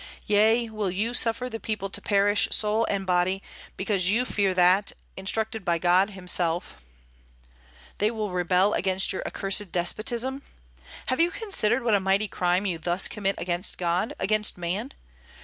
Yea, will you suffer the people to perish, soul and body, because you fear that, instructed by God himself, they will rebel against your accursed despotism? Have you considered what a mighty crime you thus commit against God, against man?